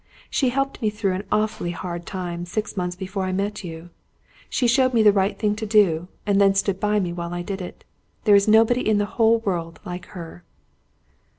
She helped me through an awfully hard time, six months before I met you. She showed me the right thing to do, then stood by me while I did it. There is nobody in the whole world quite like her."